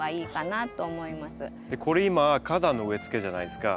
これ今花壇の植えつけじゃないですか。